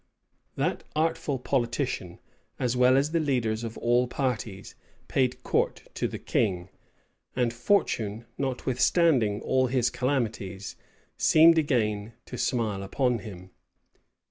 That artful politician, as well as the leaders of all parties, paid court to the king; and fortune, notwithstanding all his calamities, seemed again to smile upon him.